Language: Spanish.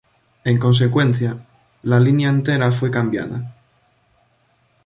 En consecuencia, la línea entera fue cambiada.